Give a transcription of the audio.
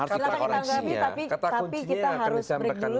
tapi kita harus beri dulu